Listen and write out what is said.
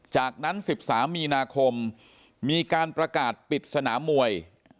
จากนั้น๑๓มีนาคมมีการประกาศปิดสนามมวย